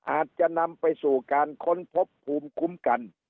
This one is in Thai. อาจจะนำไปสู่การค้นพบภูมิคุ้มกัน